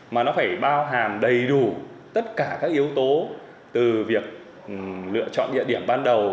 mà nó phải bao hàm đầy đủ tất cả các yếu tố từ việc lựa chọn địa điểm ban đầu